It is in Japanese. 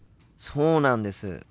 そうなんです。